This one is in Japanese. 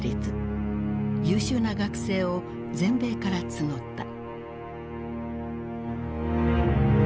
優秀な学生を全米から募った。